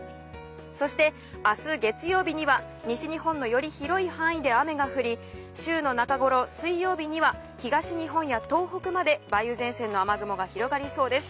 そして明日、月曜日には西日本のより広い範囲で雨が降り、州の中ごろ水曜日には東日本や東北まで梅雨前線の雨雲が広がりそうです。